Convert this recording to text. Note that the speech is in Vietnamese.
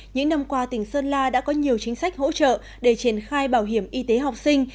những năm qua tỉnh sơn la đã có nhiều chính sách hỗ trợ để triển khai bảo hiểm y tế học sinh